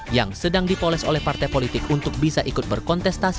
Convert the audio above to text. yang sedang dipoles oleh partai politik untuk bisa ikut berkontestasi